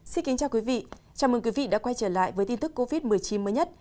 xin kính chào quý vị chào mừng quý vị đã quay trở lại với tin tức covid một mươi chín mới nhất